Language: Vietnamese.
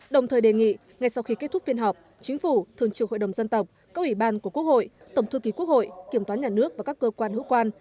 đồng thời đề nghị ngay sau khi kết thúc phiên họp chính phủ thường trực hội đồng dân tộc các ủy ban của quốc hội tổng thư ký quốc hội kiểm toán nhà nước và các cơ quan hữu quan